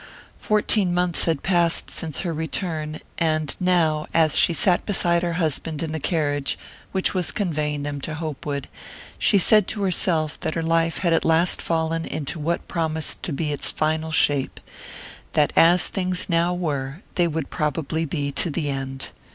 Fourteen months had passed since her return, and now, as she sat beside her husband in the carriage which was conveying them to Hopewood, she said to herself that her life had at last fallen into what promised to be its final shape that as things now were they would probably be to the end.